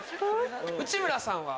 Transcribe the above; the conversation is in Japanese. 内村さんは？